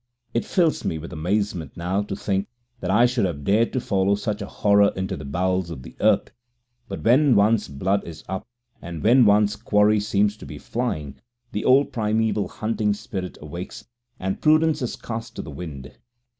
It fills me with amazement now to think that I should have dared to follow such a horror into the bowels of the earth, but when one's blood is up, and when one's quarry seems to be flying, the old primeval hunting spirit awakes and prudence is cast to the wind.